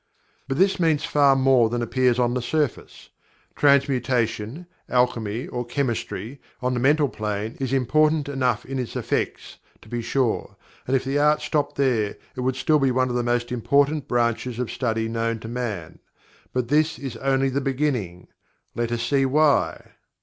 But this means far more than appears on the surface. Transmutation, Alchemy, or Chemistry on the Mental Plane is important enough in its effects, to be sure, and if the art stopped there it would still be one of the most important branches of study known to man. But this is only the beginning. Let us see why!